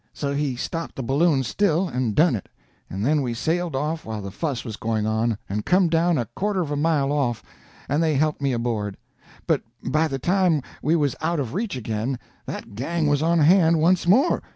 So he stopped the balloon still, and done it, and then we sailed off while the fuss was going on, and come down a quarter of a mile off, and they helped me aboard; but by the time we was out of reach again, that gang was on hand once more.